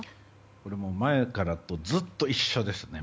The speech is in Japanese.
これも前からとずっと一緒ですね。